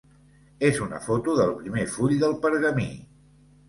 És una foto del primer full del pergamí.